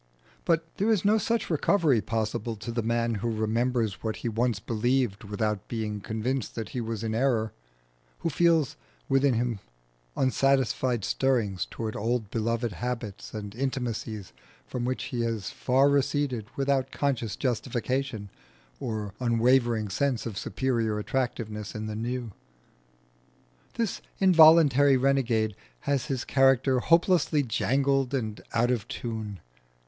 But there is no such recovery possible to the man who remembers what he once believed without being convinced that he was in error, who feels within him unsatisfied stirrings towards old beloved habits and intimacies from which he has far receded without conscious justification or unwavering sense of superior attractiveness in the new. This involuntary renegade has his character hopelessly jangled and out of tune.